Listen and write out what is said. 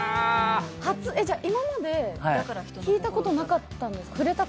いままで弾いたことなかったんですか？